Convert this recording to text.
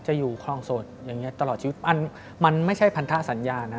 อยู่คลองโสดอย่างนี้ตลอดชีวิตมันไม่ใช่พันธสัญญานะ